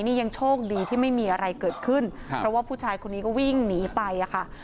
นี่ยังโชคดีที่ไม่มีอะไรเกิดขึ้นครับเพราะว่าผู้ชายคนนี้ก็วิ่งหนีไปอ่ะค่ะ